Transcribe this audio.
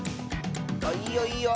あっいいよいいよ。